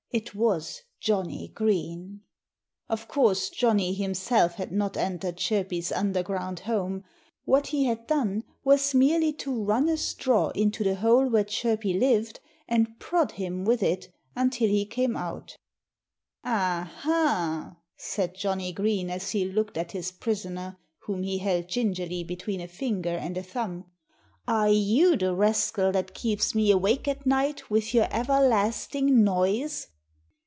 It was Johnnie Green! Of course Johnnie himself had not entered Chirpy's underground home. What he had done was merely to run a straw into the hole where Chirpy lived and prod him with it until he came out. "Aha!" said Johnnie Green as he looked at his prisoner, whom he held gingerly between a finger and a thumb. "Are you the rascal that keeps me awake at night with your everlasting noise?"